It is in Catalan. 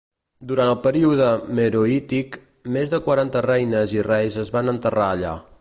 Durant el període meroític, més de quaranta reines i reis es van enterrar allà.